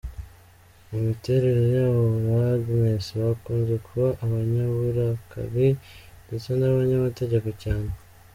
Mu miterere yabo ba Agnes bakunze kuba abanyaburakari ndetse n’abanyamategeko cyane.